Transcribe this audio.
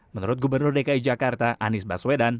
menurut gubernur dki jakarta anies baswedan